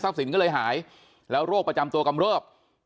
สินก็เลยหายแล้วโรคประจำตัวกำเริบ